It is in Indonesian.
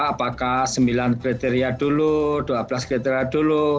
apakah sembilan kriteria dulu dua belas kriteria dulu